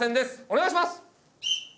お願いします！